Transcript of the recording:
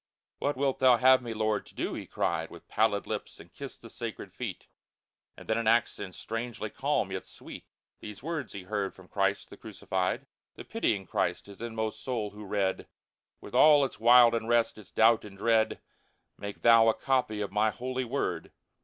" What wilt Thou have me. Lord, to do ?" he cried With pallid lips, and kissed the sacred feet. FRIAR ANSELMO 143 And then in accents strangely calm, yet sweet, These words he heard from Christ, the crucified, The pitying CHRIST his inmost soul who read. With all its wild unrest, its doubt and dread :*' Make thou a copy of My Holy Word